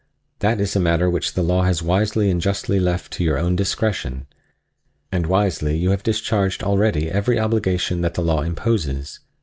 That is a matter which the law has wisely and justly left to your own discretion, and wisely you have discharged already every obligation that the law imposes.